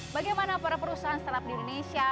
bagaimana para perusahaan startup di indonesia